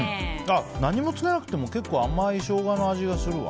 何もつけなくても結構甘いショウガの味がするわ。